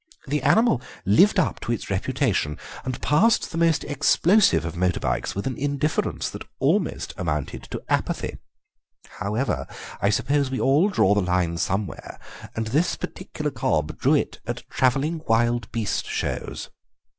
The animal lived up to its reputation, and passed the most explosive of motor bikes with an indifference that almost amounted to apathy. However, I suppose we all draw the line somewhere, and this particular cob drew it at travelling wild beast shows.